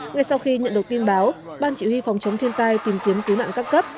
ngay sau khi nhận được tin báo ban chỉ huy phòng chống thiên tai tìm kiếm cứu nạn các cấp